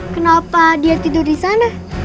kenapa dia tidur disana